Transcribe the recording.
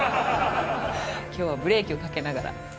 きょうはブレーキをかけながら。